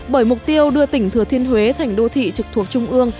bởi mục tiêu đưa tỉnh thừa thiên huế thành đô thị trực thuộc trung ương